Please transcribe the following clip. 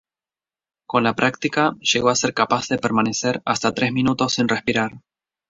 Con la práctica llegó a ser capaz de permanecer hasta tres minutos sin respirar.